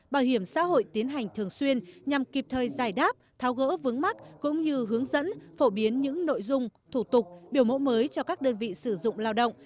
bảo hiểm xã hội tiến hành thường xuyên nhằm kịp thời giải đáp tháo gỡ vướng mắt cũng như hướng dẫn phổ biến những nội dung thủ tục biểu mẫu mới cho các đơn vị sử dụng lao động